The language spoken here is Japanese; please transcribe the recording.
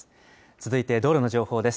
続いて道路の情報です。